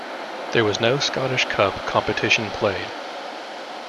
There was no Scottish Cup competition played.